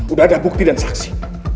udah ada bukti dan saksi